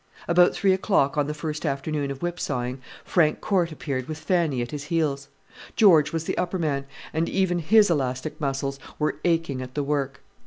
About three o'clock on the first afternoon of whip sawing Frank Corte appeared with Fanny at his heels. George was the upper man, and even his elastic muscles were aching at the work.